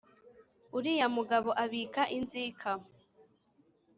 Uriya mugabo abika inzika